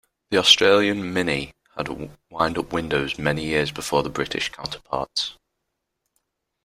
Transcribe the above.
The Australian Mini had wind up windows many years before their British counterparts.